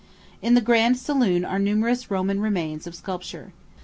In the Grand Saloon are numerous Roman remains of sculpture.